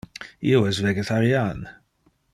Io es vegetarian.